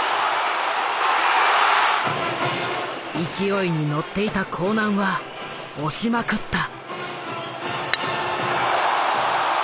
勢いに乗っていた興南は押しまくった。